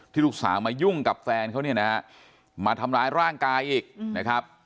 ลูกสาวมายุ่งกับแฟนเขาเนี่ยนะฮะมาทำร้ายร่างกายอีกนะครับ